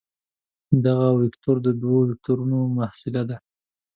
دغه وکتور د دوو وکتورونو محصله ده.